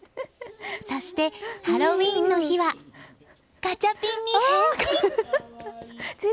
そして、ハロウィーンの日はガチャピンに変身！